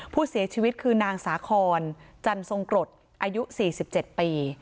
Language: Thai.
ผู้เสียชีวิตคือนางสาคอนจันทรงกรดอายุ๔๗ปี